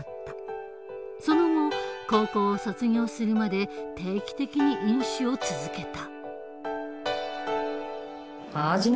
その後高校を卒業するまで定期的に飲酒を続けた。